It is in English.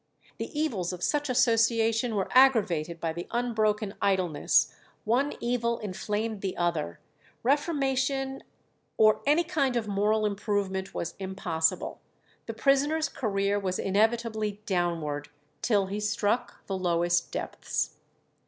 The evils of such association were aggravated by the unbroken idleness; one "evil inflamed the other;" reformation or any kind of moral improvement was impossible; the prisoner's career was inevitably downward, till he struck the lowest depths.